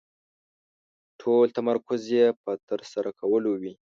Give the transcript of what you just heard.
ټول تمرکز يې په ترسره کولو وي.